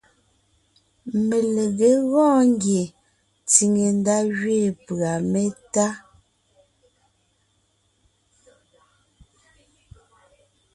Melegé gɔɔn ngie tsìŋe ndá gẅiin pʉ̀a métá.